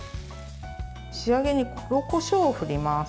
仕上げに黒こしょうを振ります。